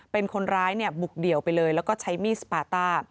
เป็นคนร้ายบุกเดี่ยวไปเลยแล้วก็ใช้มีดสปาต้า